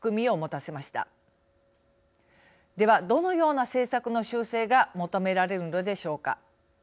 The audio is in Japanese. ではどのような政策の修正が求められるのでしょうか。